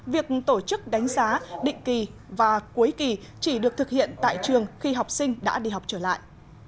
việc tổ chức đánh giá định kỳ và cuối kỳ chỉ được thực hiện tại trường khi học sinh đã đi học trở lại